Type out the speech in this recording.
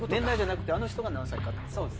そうです